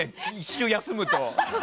１週、休むと。